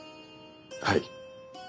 はい。